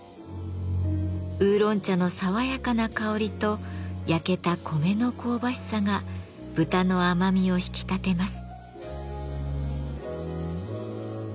ウーロン茶の爽やかな香りと焼けた米の香ばしさが豚の甘みを引き立てます。